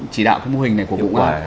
chỉ đạo cái mô hình này của vụ an